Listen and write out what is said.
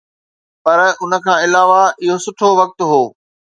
پر ان کان علاوه اهو سٺو وقت هو.